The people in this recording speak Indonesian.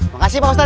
makasih pak ustadz